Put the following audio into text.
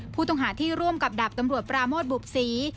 ผู้ต้องหาที่ร่วมกับดาบตำรวจปราโมทบุบศรี